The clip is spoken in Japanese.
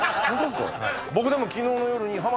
僕でも昨日の夜に。